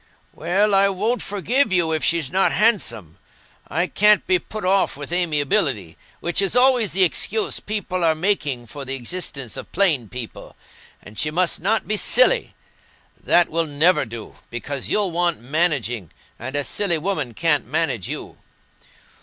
"Well, I won't forgive you if she's not handsome. I can't be put off with amiability, which is always the excuse people are making for the existence of plain people. And she must not be silly; that will never do, because you'll want managing, and a silly woman can't manage you.